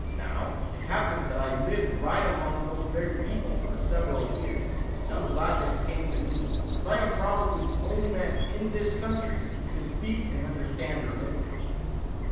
Now, it happens that I lived right among those very people for several years, and am glad you came to me, as I am probably the only man in this country who can speak and understand their language."